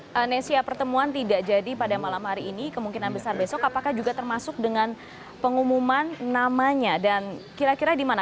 mbak nesya pertemuan tidak jadi pada malam hari ini kemungkinan besar besok apakah juga termasuk dengan pengumuman namanya dan kira kira di mana